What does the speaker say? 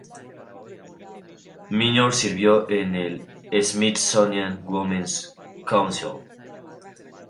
Minor sirvió en el Smithsonian Women's Council.